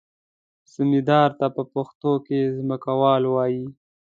زمیندار ته په پښتو کې ځمکوال وایي.